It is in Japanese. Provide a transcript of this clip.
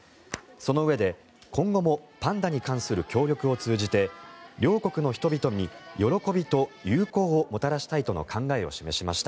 そのうえで、今後もパンダに関する協力を通じて両国の人々に喜びと友好をもたらしたいとの考えを示しました。